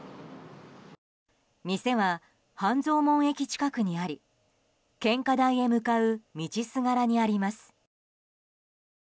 店は半蔵門駅近くにあり献花台へ向かう道すがらにあります。